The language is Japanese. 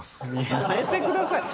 やめてください